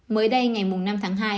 mới đây ngày năm tháng hai